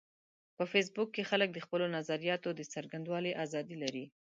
په فېسبوک کې خلک د خپلو نظریاتو د څرګندولو ازادي لري